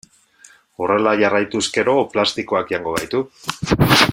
Horrela jarraituz gero plastikoak jango gaitu.